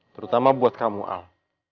terutama buat kamu al